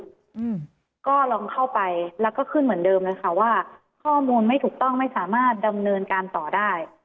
อืมก็ลองเข้าไปแล้วก็ขึ้นเหมือนเดิมเลยค่ะว่าข้อมูลไม่ถูกต้องไม่สามารถดำเนินการต่อได้